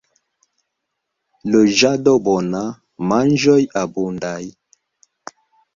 Loĝado bona, manĝoj abundaj.